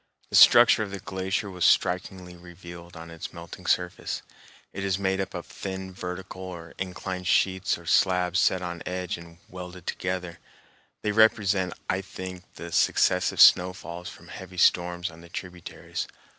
The structure of the glacier was strikingly revealed on its melting surface. It is made up of thin vertical or inclined sheets or slabs set on edge and welded together. They represent, I think, the successive snowfalls from heavy storms on the tributaries.